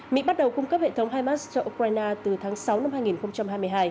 mỹ bắt đầu cung cấp hệ thống himars cho ukraine từ tháng sáu năm hai nghìn hai mươi năm